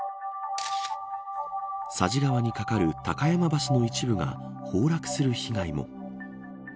佐治川に架かる高山橋の一部が崩落する被害も。